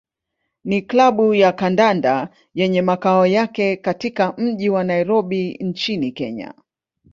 ni klabu ya kandanda yenye makao yake katika mji wa Nairobi nchini Kenya.